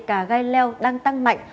cây cá gai leo đang tăng mạnh